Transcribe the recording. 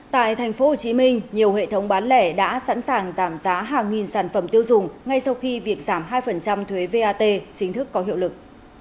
tại thành phố hồ chí minh nhiều hệ thống bán lẻ đã sẵn sàng giảm giá hàng nghìn sản phẩm tiêu dùng ngay sau khi việc giảm hai thuế vat chính thức có hiệu lực